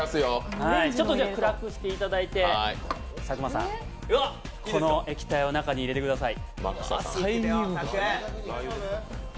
ちょっと暗くしていただいて、佐久間さん、この液体を中に入れてください。